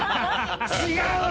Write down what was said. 違うわ！